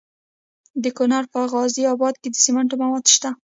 د کونړ په غازي اباد کې د سمنټو مواد شته.